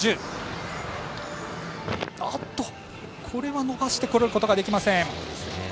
これは伸ばしてくることができません。